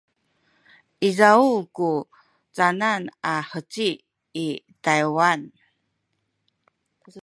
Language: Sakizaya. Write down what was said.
izaw ku canan a heci i Taywan?